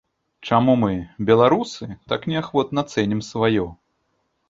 Чаму мы, беларусы, так неахвотна цэнім сваё?